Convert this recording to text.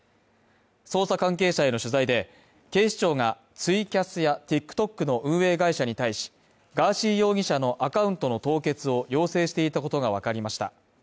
捜査関係者への取材で、警視庁がツイキャスやＴｉｋＴｏｋの運営会社に対し、ガーシー容疑者のアカウントの凍結を要請していたことがわかりました。